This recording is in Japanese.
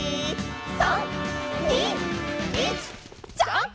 「３・２・１」「ジャンプ！」